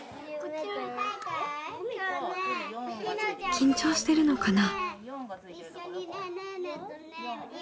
緊張してるのかな？